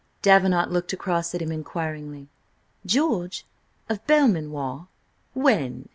Davenant looked across at him inquiringly. "George? Of Belmanoir? When?"